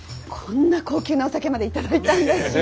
こんな高級なお酒まで頂いたんだし。